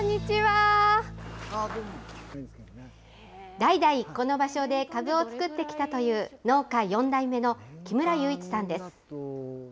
代々、この場所でかぶを作ってきたという、農家４代目の木村祐一さんです。